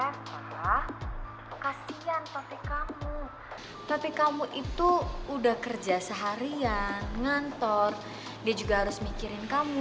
hah kasihan pakai kamu tapi kamu itu udah kerja seharian ngantor dia juga harus mikirin kamu